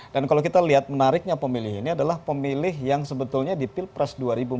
kalau kita lihat menariknya pemilih ini adalah pemilih yang sebetulnya di pilpres dua ribu empat belas